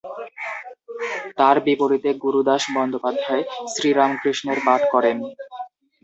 তাঁর বিপরীতে গুরুদাস বন্দ্যোপাধ্যায় শ্রীরামকৃষ্ণের পাট করেন।